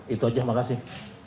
itu aja makasih